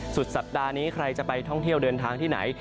สุดสัปดาห์นี้ใครจะไปท่องเที่ยวเดินทางที่ไหน